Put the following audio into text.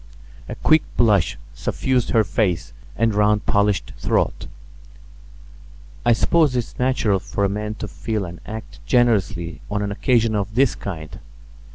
A quick blush suffused her face and round polished throat. "I suppose it's natural for a man to feel and act generously on an occasion of this kind.